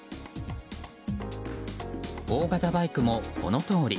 大型バイクも、このとおり。